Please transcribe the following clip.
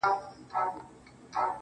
تالنده برېښنا يې خــوښـــــه ســوېده.